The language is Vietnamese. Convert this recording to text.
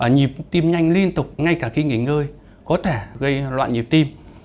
nhịp tim nhanh liên tục ngay cả khi nghỉ ngơi có thể gây loạn nhịp tim